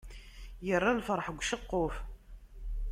Yerra lferḥ deg uceqquf.